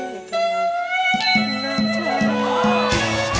พุทธยอด